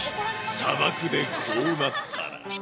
砂漠でこうなったら。